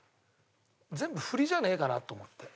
全部フリじゃねえかなと思って。